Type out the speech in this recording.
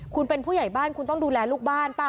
คุณเป็นผู้ใหญ่บ้านคุณต้องดูแลลูกบ้านป่ะ